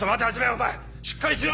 お前しっかりしろ！